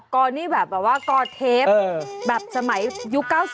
ก่อนี่แบบว่าก่อเทปสมัยยุค๙๐